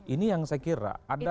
ini yang saya kira